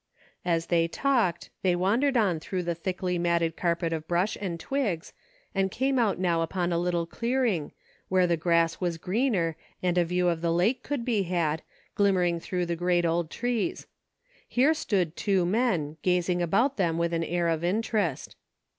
As they talked, they wandered on through the thickly matted carpet of brush and twigs, and came out now upon a little clearing, where the grass was greener and a view of the lake could be had, glimmering through the great old trees. Here stood two men, gazing about them with an air of interest.